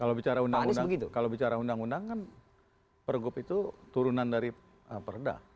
kalau bicara undang undang itu kalau bicara undang undang kan pergub itu turunan dari perda